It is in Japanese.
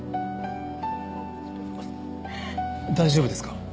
大丈夫ですか？